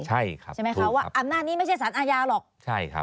ใช่ไหมคะว่าอำนาจนี่ไม่ใช่สารอายาหรอก